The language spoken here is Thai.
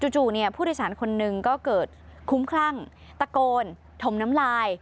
จู่ผู้โดยสารคนหนึ่งก็เกิดคุ้มคลั่งตะโกนถมน้ำลาย